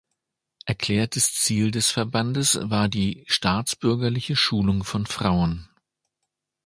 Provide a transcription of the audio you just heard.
Erklärtes Ziel des Verbandes war die staatsbürgerliche Schulung von Frauen.